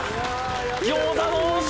餃子の王将